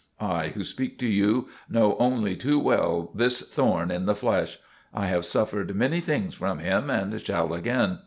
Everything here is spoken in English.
I who speak to you know only too well this thorn in the flesh. I have suffered many things from him, and shall again.